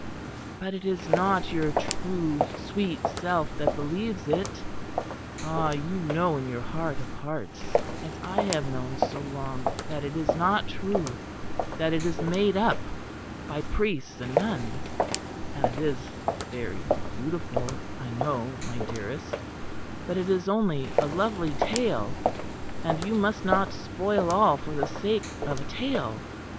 But it is not your true sweet self that believes it. Ah! you know in your heart of hearts, as I have known so long, that it is not true; that it is made up by priests and nuns; and it is very beautiful, I know, my dearest, but it is only a lovely tale; and you must not spoil all for the sake of a tale.